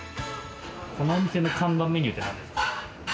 このお店の看板メニューって何ですか？